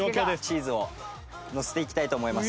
チーズをのせていきたいと思います。